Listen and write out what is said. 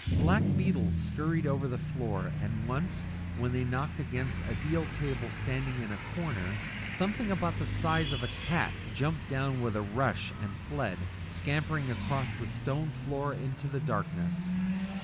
Black beetles scurried over the floor, and once, when they knocked against a deal table standing in a corner, something about the size of a cat jumped down with a rush and fled, scampering across the stone floor into the darkness.